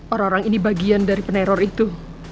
orang orang ini bagian dari peneror itu